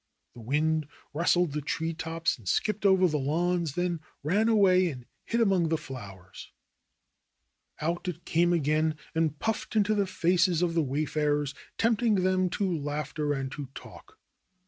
The wind rustled the tree tops and skipped over the lawns, then ran away and hid among the flowers. Out 12 THE ROSE COLORED WORLD it came again and puffed into the faces of the wayfarers, tempting them to laughter and to talk.